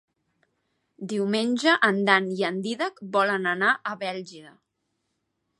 Diumenge en Dan i en Dídac volen anar a Bèlgida.